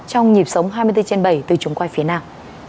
trong nhịp sống hai mươi bốn trên bảy từ chúng quay phía nào